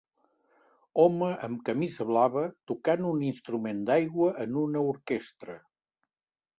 Home amb camisa blava tocant un instrument d'aigua en una orquestra.